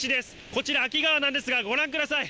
こちら、安芸川なんですがご覧ください。